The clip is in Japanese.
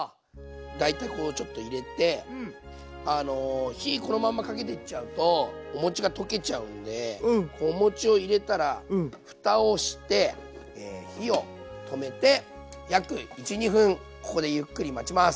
大体こうちょっと入れて火このままかけていっちゃうとお餅が溶けちゃうんでこうお餅を入れたらふたをして火を止めて約１２分ここでゆっくり待ちます。